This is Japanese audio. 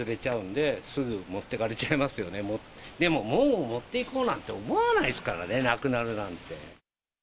でも門を持っていこうなんて思わないですからね、なくなるなんて。